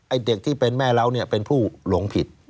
เด็กที่เป็นแม่เล้าเนี่ยเป็นผู้หลงผิด